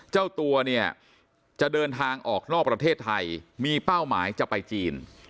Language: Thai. เจ้าตัวเนี่ยจะเดินทางออกนอกประเทศไทยมีเป้าหมายจะไปจีน